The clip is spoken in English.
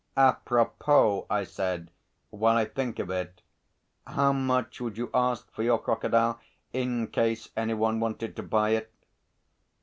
"À propos," I said, "while I think of it: how much would you ask for your crocodile in case any one wanted to buy it?"